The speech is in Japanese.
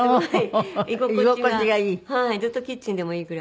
はい。